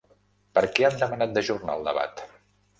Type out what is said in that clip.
Per què han demanat d'ajornar el debat?